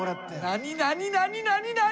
何何何何何？